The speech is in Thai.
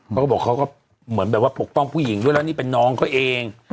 เขาก็บอกเขาก็เหมือนแบบว่าปกป้องผู้หญิงด้วยแล้วนี่เป็นน้องเขาเอง